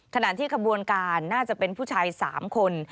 ขณะที่ขบวนการน่าจะเป็นผู้ชาย๓คน